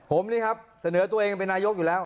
ผมนี่ครับเสนอตัวเองเป็นนายกอยู่แล้ว